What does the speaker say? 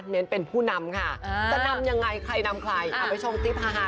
เน้นเป็นผู้นำค่ะจะนำยังไงใครนำใคร